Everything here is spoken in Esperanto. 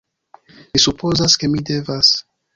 Mi supozas ke mi devas.